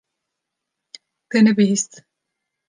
Te nebihîst.